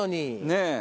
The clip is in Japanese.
ねえ。